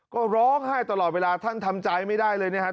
ก็ร้องไห้ตลอดเวลาท่านทำใจไม่ได้เลยนะครับ